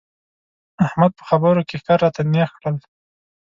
احمد په خبرو کې ښکر راته نېغ کړل.